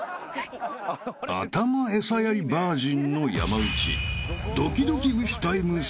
［頭餌やりバージンの山内］